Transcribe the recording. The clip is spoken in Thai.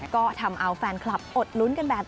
ก็ทำเอาแฟนคลับอดลุ้นกันแบบ